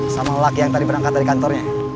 sama laki laki yang mesma tadi berangkat dari kantornya